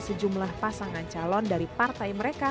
sejumlah pasangan calon dari partai mereka